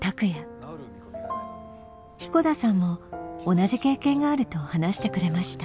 彦田さんも同じ経験があると話してくれました。